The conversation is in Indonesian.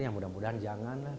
ya mudah mudahan jangan lah